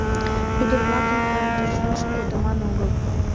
—...Ӱдыр-влакым ӧрдыжеш кодыман огыл.